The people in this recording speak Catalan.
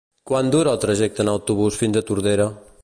Quant dura el trajecte en autobús fins a Tordera?